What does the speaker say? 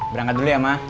berangkat dulu ya ma